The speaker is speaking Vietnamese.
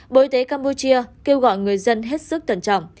bộ y tế campuchia kêu gọi người dân hết sức cẩn trọng